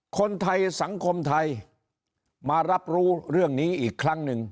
คนไทยสังคมไทยมารับรู้เรื่องนี้อีกครั้งหนึ่ง